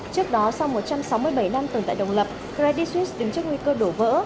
trước đó sau một trăm sáu mươi bảy năm tồn tại đồng lập credit suisse đứng trước nguy cơ đổ vỡ